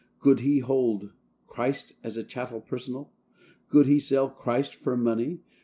Could he hold Christ as a chattel personal? Could he sell Christ for money?